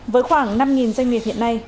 với khoảng năm doanh nghiệp hiện nay